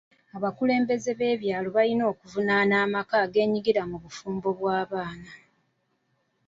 Abakulembeze b'ebyalo balina okuvunaana amaka ageenyigira mu bufumbo bw'abaana.